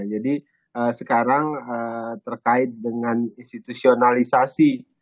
jadi sekarang terkait dengan institusionalisasi